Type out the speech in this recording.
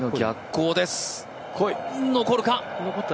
残るか。